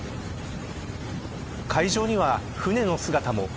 海上には船の姿も。